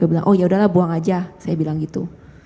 oh yaudahlah buang aja saya bilang gitu